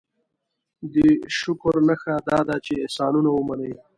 دې شکر نښه دا ده چې احسانونه ومني.